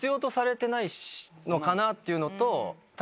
っていうのと多分。